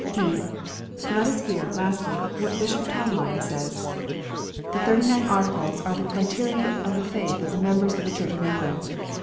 (e} Let us hear, lastly, what Bishop Tomline says :" The 76. KNOTS UNTIED. Thirty nine Articles are the criterion of the faith of the members of the Church of England."